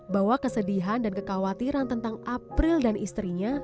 bahwa kesedihan dan kekhawatiran tentang april dan istrinya